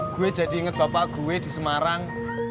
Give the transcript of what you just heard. gue jadi inget bapak gue di semarang